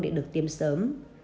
để được tiêm sớm